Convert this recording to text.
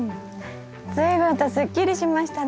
随分とすっきりしましたね。